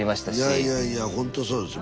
いやいやいやほんとそうですよ。